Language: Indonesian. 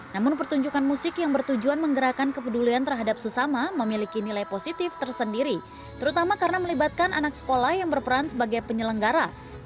namun pertunjukan musik yang bertujuan menggerakkan kepedulian terhadap sesama memiliki nilai positif tersendiri terutama karena melibatkan anak sekolah yang berperan sebagai penyelenggara